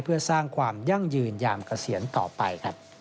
เพื่อสร้างความยั่งยืนยามเกษียณต่อไป